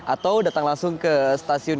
atau datang langsung ke stasiun